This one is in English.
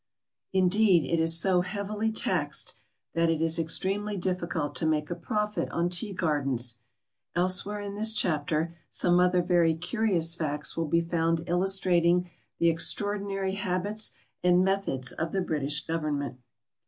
Indeed, it is so heavily taxed that it is extremely difficult to make a profit on tea gardens. Elsewhere in this chapter some other very curious facts will be found illustrating the extraordinary habits and methods of the British Government.